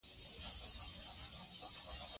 افغانستان کې خاوره د چاپېریال د تغیر یوه مهمه نښه ده.